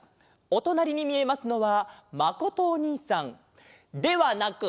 おとなりにみえますのはまことおにいさんではなく。